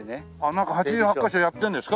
なんか８８カ所やってんですか？